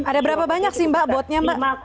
ada berapa banyak sih mbak botnya mbak